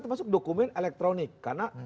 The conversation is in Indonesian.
termasuk dokumen elektronik karena